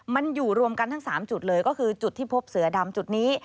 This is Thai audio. มันอยู่รวมกันทั้ง๓จุดเลยก็คือจุดที่พบเสือดำจุดนี้